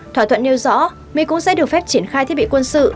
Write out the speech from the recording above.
thỏa thuận nêu rõ mỹ cũng sẽ được phép triển khai thiết bị quân sự